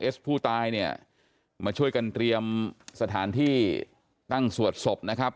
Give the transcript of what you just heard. ผู้ตายเนี่ยมาช่วยกันเตรียมสถานที่ตั้งสวดศพนะครับ